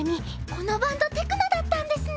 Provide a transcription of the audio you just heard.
このバンドテクノだったんですね。